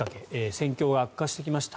戦況が悪化してきました。